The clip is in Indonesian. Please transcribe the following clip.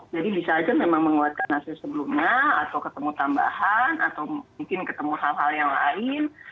jadi bisa aja memang menguatkan hasil sebelumnya atau ketemu tambahan atau mungkin ketemu hal hal yang lain